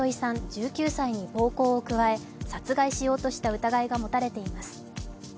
１９歳に暴行を加え殺害しようとした疑いが持たれています。